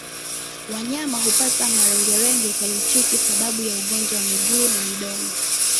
Wanyama hupata malengelenge kwenye chuchu sababu ya ugonjwa wa miguu na midomo